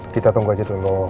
kita tunggu aja dulu